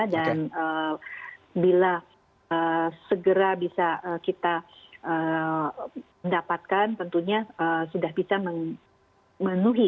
dan bila segera bisa kita mendapatkan tentunya sudah bisa menuhi